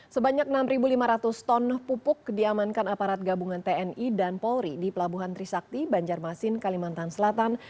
sebanyak enam lima ratus ton pupuk diamankan aparat gabungan tni dan polri di pelabuhan trisakti banjarmasin kalimantan selatan